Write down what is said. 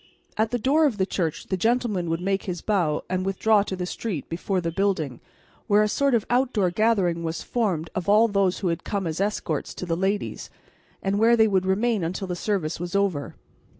At the door of the church the gentleman would make his bow and withdraw to the street before the building, where a sort of outdoor gathering was formed of all those who had come as escorts to the ladies, and where they would remain until the service was over.